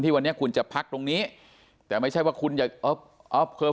วันนี้คุณจะพักตรงนี้แต่ไม่ใช่ว่าคุณอย่าเออ